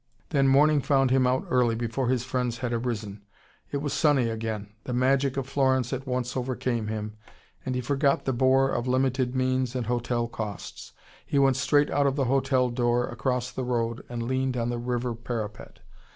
Then morning found him out early, before his friends had arisen. It was sunny again. The magic of Florence at once overcame him, and he forgot the bore of limited means and hotel costs. He went straight out of the hotel door, across the road, and leaned on the river parapet.